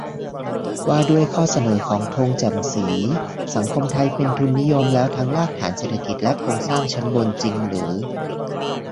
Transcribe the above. ว่าด้วยข้อเสนอของธง แจ่มศรี : สังคมไทยเป็นทุนนิยมแล้วทั้งรากฐานเศรษฐกิจและโครงสร้างชั้นบนจริงหรือ ?